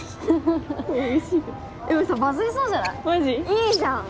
いいじゃん！